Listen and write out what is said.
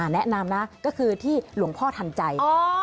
แนะนำนะก็คือที่หลวงพ่อทันใจ